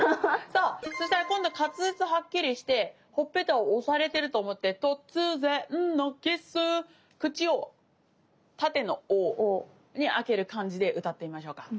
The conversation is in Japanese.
そうそうしたら今度滑舌をはっきりしてほっぺたを押されてると思ってとつぜんのキス口を縦の「お」に開ける感じで歌ってみましょうか。